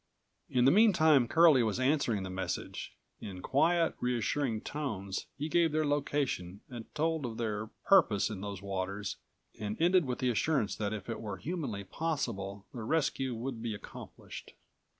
In the meantime Curlie was answering the message. In quiet, reassuring tones he gave their location and told of their purpose in those waters and ended with the assurance that if it were humanly possible the rescue should be accomplished.